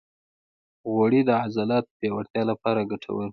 غوړې د عضلاتو پیاوړتیا لپاره ګټورې دي.